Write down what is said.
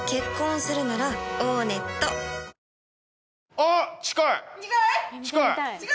あっ近い！